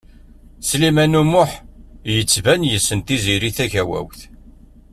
Sliman U Muḥ yettban yessen Tiziri Tagawawt.